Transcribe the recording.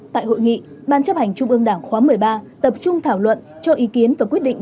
tại hội nghị ban chấp hành trung ương đảng khóa một mươi ba tập trung thảo luận cho ý kiến và quyết định